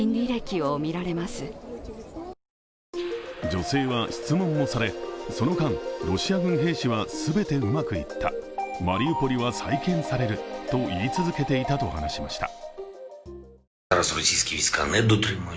女性は、質問もされ、その間、ロシア軍兵士は全てうまくいった、マリウポリは再建されると言い続けていたと話しました。